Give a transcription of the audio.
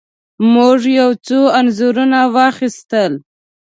موږ یو څو انځورونه واخیستل.